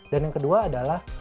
dan yang kedua adalah